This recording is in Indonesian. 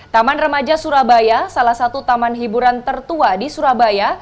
taman remaja surabaya salah satu taman hiburan tertua di surabaya